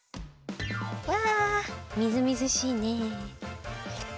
うわみずみずしいね。